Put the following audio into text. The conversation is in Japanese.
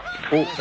何？